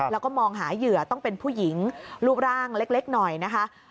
แล้วก็มองหาเหยื่อต้องเป็นผู้หญิงรูปร่างเล็กหน่อยนะคะ